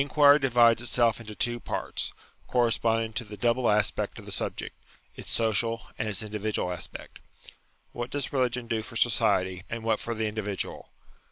UTILITY OF RELIGION 77 The inquiry divides itself into two parts, cor responding to the double aspect of the subject; its social, and its individual aspect. What does religion do for society, and what for the individual?